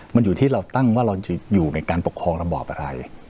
มันอยู่ที่เราตั้งว่าเราจะอยู่ในการปกครองระบอบอะไร